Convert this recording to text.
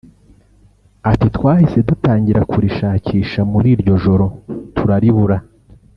Ati “Twahise dutangira kurishakisha muri iryo joro turaribura